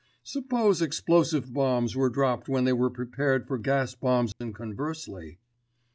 Suppose explosive bombs were dropped when they were prepared for gas bombs and conversely?